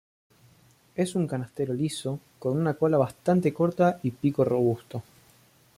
Es un canastero liso, con una cola bastante corta y pico robusto.